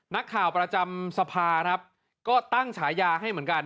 นักข่าวประจำสภาครับก็ตั้งฉายาให้เหมือนกัน